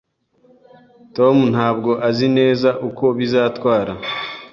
Tom ntabwo azi neza uko bizatwara